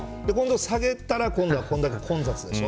下げたら今度はこれだけ混雑でしょ。